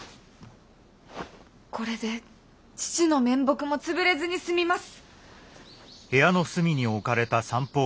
これで父の面目も潰れずに済みます！